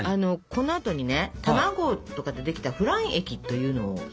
このあとにね卵とかでできたフラン液というのを注ぎましてですね